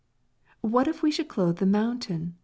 "What if we should clothe the mountain?"